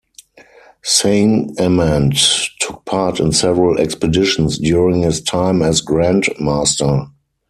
Saint Amand took part in several expeditions during his time as Grand Master.